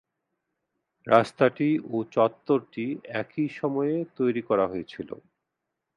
রাস্তাটি ও চত্বরটি একই সময়ে তৈরি করা হয়েছিল।